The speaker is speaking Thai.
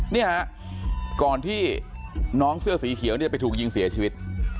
เนี่ยฮะก่อนที่น้องเสื้อสีเขียวเนี่ยไปถูกยิงเสียชีวิต